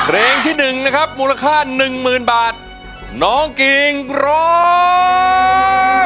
เพลงที่หนึ่งนะครับมูลค่าหนึ่งหมื่นบาทน้องกิ่งร้อง